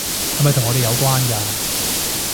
係咪同我哋有關㗎？